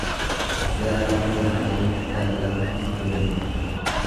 Gara lama yaadaniif gara lama hin deeman.